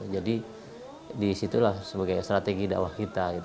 disitulah sebagai strategi dakwah kita